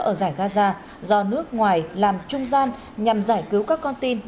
ở giải gaza do nước ngoài làm trung gian nhằm giải cứu các con tin